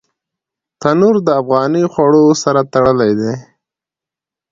تنور د افغاني خوړو سره تړلی دی